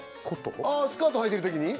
ああスカートはいてるときに？